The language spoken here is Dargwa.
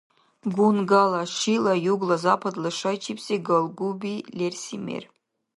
«Гунгала» — шила югла-западла шайчибси галгуби лерси мер.